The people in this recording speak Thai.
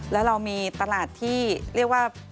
แล้วเรามีตลาดที่เรียกว่า